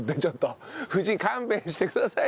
夫人勘弁してください。